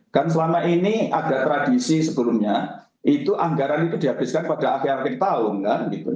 kan selama ini ada tradisi sebelumnya itu anggaran itu dihabiskan pada akhir akhir tahun kan gitu